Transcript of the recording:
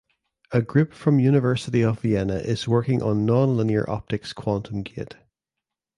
A group from University of Vienna is working on nonlinear optics Quantum gate.